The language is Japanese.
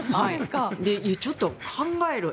ちょっと考える。